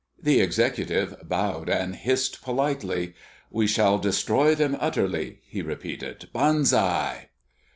The executive bowed and hissed politely. "We shall destroy them utterly," he repeated. "Banzai!"